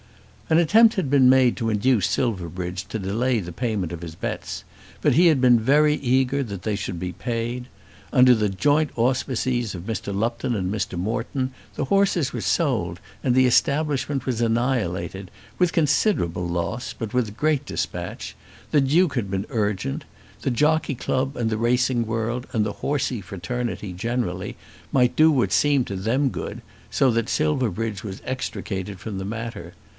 An attempt had been made to induce Silverbridge to delay the payment of his bets; but he had been very eager that they should be paid. Under the joint auspices of Mr. Lupton and Mr. Moreton the horses were sold, and the establishment was annihilated, with considerable loss, but with great despatch. The Duke had been urgent. The Jockey Club, and the racing world, and the horsey fraternity generally, might do what seemed to them good, so that Silverbridge was extricated from the matter.